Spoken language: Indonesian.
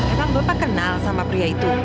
emang bapak kenal sama pria itu